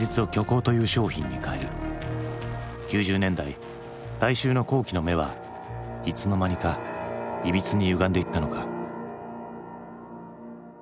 ９０年代大衆の好奇の目はいつの間にかいびつにゆがんでいったのか？